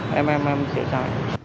rồi em em em sẽ ra